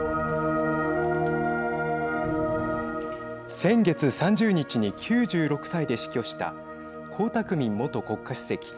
先月３０日に９６歳で死去した江沢民元国家主席。